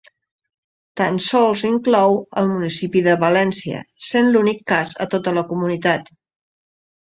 Tan sols inclou el municipi de València, sent l'únic cas a tota la comunitat.